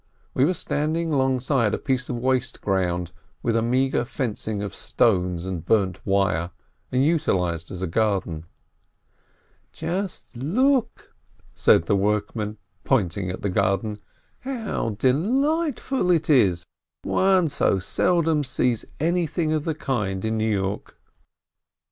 We were standing alongside a piece of waste ground, with a meagre fencing of stones and burnt wire, and utilized as a garden. "Just look," said the workman, pointing at the garden, "how delightful it is! One so seldom sees anything of the kind in New York."